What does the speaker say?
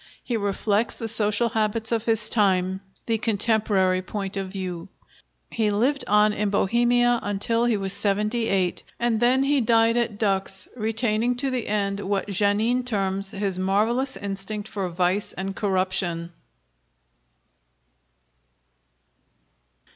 He reflects the social habits of his time, the contemporary point of view. He lived on in Bohemia until he was seventy eight, and then he died at Dux, retaining to the end what Janin terms "his marvelous instinct for vice and corruption."